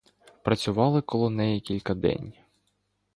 Працювали коло неї кілька день.